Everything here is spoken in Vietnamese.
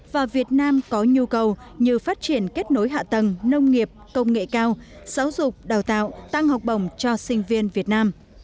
và việt nam có nhu cầu như phát triển kết nối hạ tầng nông nghiệp công nghệ cao giáo dục đào tạo tăng học bổng cho sinh viên việt nam